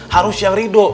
harus yang ridho